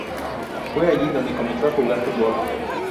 Fue allí donde comenzó a jugar al fútbol.